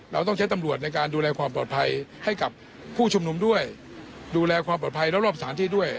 เราต้องใช้ตำรวจในการดูแลความปลอดภัยให้กับผู้ชุมนุมด้วยดูแลความปลอดภัยแล้วรอบสถานที่ด้วย